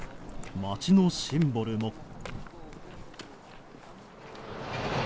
街のシンボルも。